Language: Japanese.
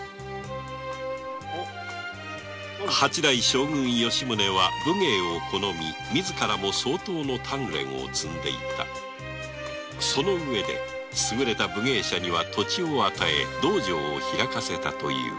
将軍・吉宗は武芸を好み自らも相当の鍛練を積んでいたその上勝れた武芸者には土地を与え道場を開かせたという